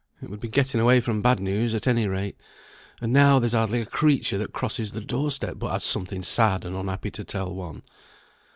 It would be getting away from bad news at any rate; and now, there's hardly a creature that crosses the door step, but has something sad and unhappy to tell one.